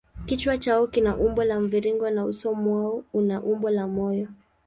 Kichwa chao kina umbo la mviringo na uso mwao una umbo la moyo.